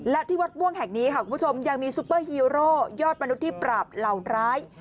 และที่วัดม่วงแห่งนี้ค่ะคุณผู้ชมยังมีซุปเปอร์ฮีโร่ยอดมนุษย์ที่ปราบเหล่าร้าย